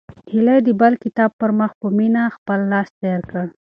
هیلې د بل کتاب پر مخ په مینه خپل لاس تېر کړ.